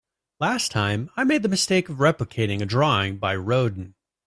Last time, I made the mistake of replicating a drawing by Rodin.